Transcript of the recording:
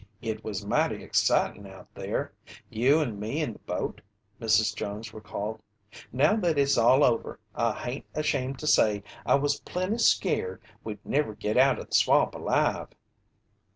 "It was mighty excitin' out there you and me in the boat," Mrs. Jones recalled. "Now that it's all over, I hain't ashamed to say I was plenty skeered we'd never git out o' the swamp alive."